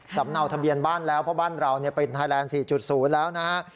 สำเนาทะเบียนบ้านแล้วเพราะบ้านเราเป็นไทยแลนด์๔๐แล้วนะฮะ